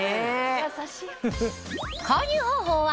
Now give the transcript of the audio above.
優しい。